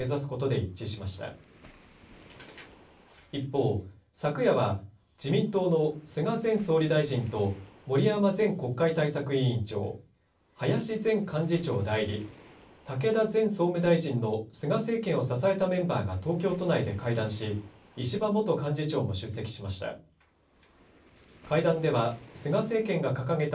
一方、昨夜は自民党の菅前総理大臣と森山前国会対策委員長、林前幹事長代理、武田前総務大臣の菅政権を支えたメンバーが東京都内で会談し、石破元幹事長も出席しました。